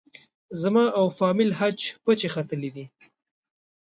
زما او فامیل حج پچې ختلې دي.